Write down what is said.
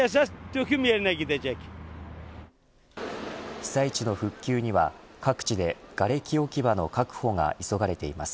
被災地の復旧には各地でがれき置き場の確保が急がれています。